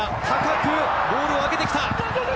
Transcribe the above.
高くボールを上げてきた。